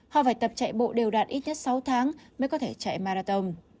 họ phải tập chạy bộ đều đạn ít nhất sáu tháng mới có thể chạy marathon